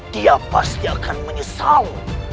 dia pasti akan menyesal